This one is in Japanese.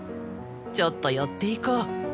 ちょっと寄っていこう。